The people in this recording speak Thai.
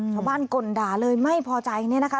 ชาวบ้านกลดาเลยไม่พอใจอย่างนี้นะคะ